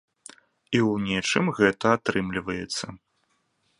І ў нечым гэта атрымліваецца.